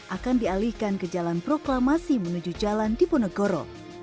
akan dialihkan ke jalan proklamasi menuju jalan diponegoro